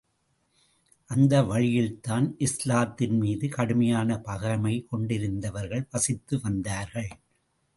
அந்த வழியில்தான் இஸ்லாத்தின் மீது கடுமையான பகைமை கொண்டிருந்தவர்கள் வசித்து வந்தார்கள்.